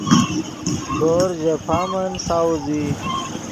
دورز ژے پامن ساؤز ای